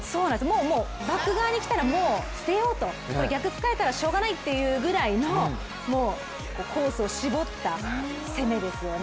もうバック側に来たら捨てようと、逆を突かれたらしょうがないっていうぐらいのコースを絞った攻めですよね。